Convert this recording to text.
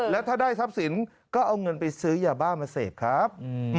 แล้วถ้าได้ทรัพย์สินก็เอาเงินไปซื้อยาบ้ามาเสพครับ